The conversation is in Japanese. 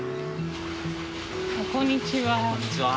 こんにちは。